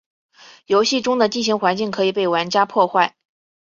游戏中的地形环境可以被玩家破坏。